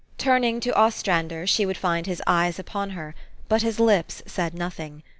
Turning to Ostrander, she would find his eyes upon her; but his lips said nothing.